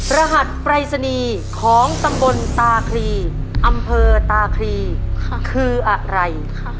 รหัสปรายศนีย์ของตำบลตาคลีอำเภอตาครีคืออะไร